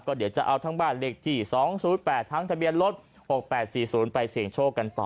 เดี๋ยวจะเอาทั้งบ้านเลขที่๒๐๘ทั้งทะเบียนรถ๖๘๔๐ไปเสี่ยงโชคกันต่อ